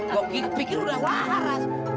kok pikir udah wah haras